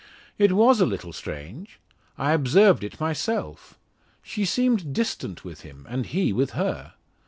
"It was a little strange. I observed it myself. She seemed distant with him, and he with her.